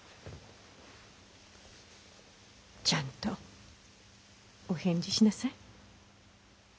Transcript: ちゃんとお返事しなさい。